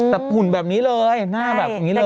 แต่หุ่นแบบนี้เลยหน้าแบบนี้เลย